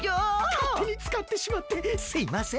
かってにつかってしまってすいません。